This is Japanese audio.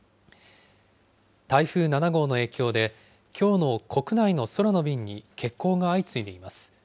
台風７号の影響できょうの国内の空の便に欠航が相次いでいます。